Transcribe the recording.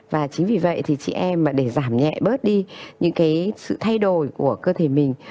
và chính vì vậy thì chị em mà để giảm nhẹ bớt đi những cái sự thay đổi của cơ thể mình